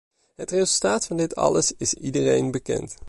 Het resultaat van dit alles is iedereen bekend.